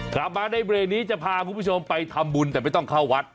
กลับมาในเบรกนี้จะพาคุณผู้ชมไปทำบุญแต่ไม่ต้องเข้าวัด